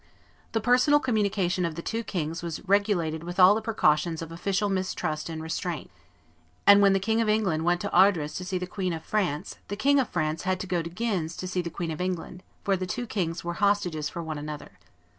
The personal communication of the two kings was regulated with all the precautions of official mistrust and restraint; and when the King of England went to Ardres to see the Queen of France, the King of France had to go to Guines to see the Queen of England, for the two kings were hostages for one another.